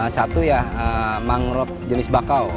satu ya mangrove jenis bakau